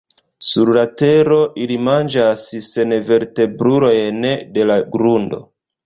Sur la tero ili manĝas senvertebrulojn de la grundo.